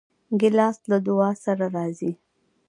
ګیلاس له دعا سره راځي.